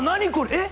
えっ？